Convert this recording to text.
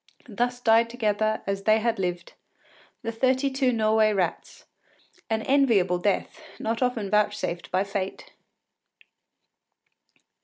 Thus died together, as they had lived, the thirty two Norway rats, an enviable death, not often vouchsafed by fate!